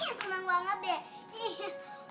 ya senang banget deh